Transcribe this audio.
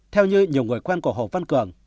theo như nhiều người quen của hồ văn cường